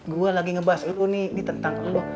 gua lagi ngebahas lu nih nih tentang lu